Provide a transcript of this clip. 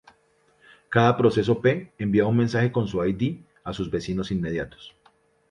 Cada proceso P, envía un mensaje con su id a sus vecinos inmediatos.